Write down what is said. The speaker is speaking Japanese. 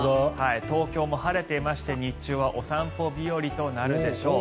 東京も晴れていまして、日中はお散歩日和となるでしょう。